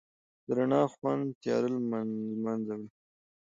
د رڼا خوند تیاره لمنځه وړي.